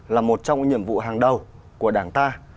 là một trong nhiệm vụ hàng đầu của đảng ta